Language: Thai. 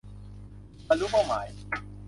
บรรลุเป้าหมาย